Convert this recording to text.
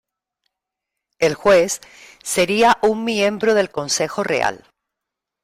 El juez sería un miembro del Consejo Real.